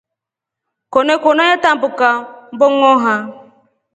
Konokone yetambuka mbongʼoha.